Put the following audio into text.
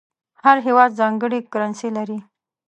هر هېواد ځانګړې کرنسي لري.